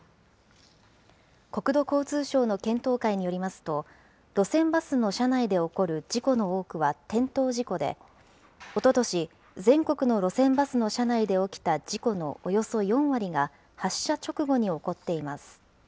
国土交通省の検討会によりますと、路線バスの車内で起こる事故の多くは転倒事故で、おととし、全国の路線バスの車内で起きた事故のおよそ４割が、発車直後に起こっています。